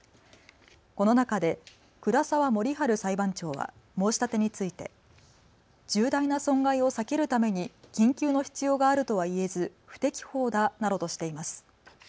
この中で倉澤守春裁判長は申し立てについて重大な損害を避けるために緊急の必要があるとは言えず不適法だなどとしています。